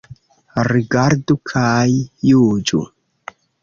Rigardu kaj juĝu.